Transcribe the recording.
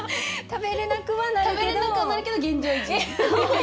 食べれなくはなるけど現状維持。